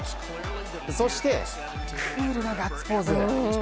そして、クールなガッツポーズ。